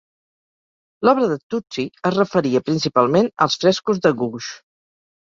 L'obra de Tucci es referia principalment als frescos de Guge.